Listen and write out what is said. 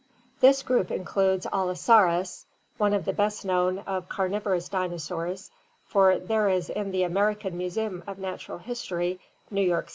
— This group includes: AUosaurus (Fig. 153 and PI. IX), one of the best known of carnivorous dinosaurs, for there is in the American Museum of Natural History, New York City, Fig.